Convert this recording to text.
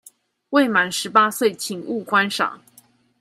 未滿十八歲請勿觀賞